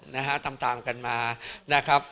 นะฮะตามกันมา